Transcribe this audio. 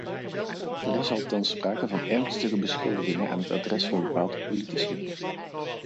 Er is althans sprake van ernstige beschuldigingen aan het adres van bepaalde politici.